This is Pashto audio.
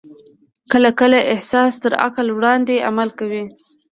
کله کله احساس تر عقل وړاندې عمل کوي.